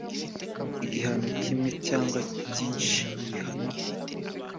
igihano kimwe cyangwa byinshi mu bihano